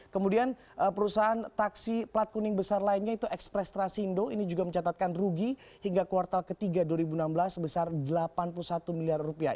kemudian perusahaan taksi plat kuning besar lainnya itu ekspres trasindo ini juga mencatatkan rugi hingga kuartal ketiga dua ribu enam belas sebesar delapan puluh satu miliar rupiah